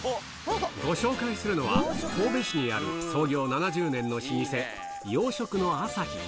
ご紹介するのは、神戸市にある創業７０年の老舗、洋食の朝日。